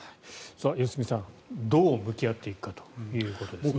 良純さんどう向き合っていくかということですね。